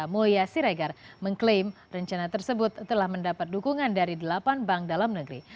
mulya siregar mengklaim rencana tersebut telah mendapat dukungan dari delapan bank dalam negeri